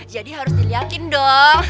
jadi harus diliakin dong